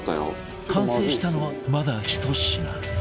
完成したのはまだ１品